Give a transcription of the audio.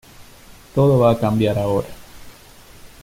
Todo va a cambiar ahora.